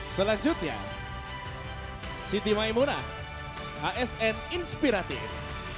selanjutnya siti maimunah asn inspiratif